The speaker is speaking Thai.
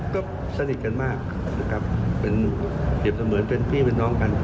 ก็สนิทกันมากเปรียบเสมือนเป็นพี่เป็นน้องกัน